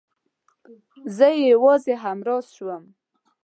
زه يې يوازې همراز شوم.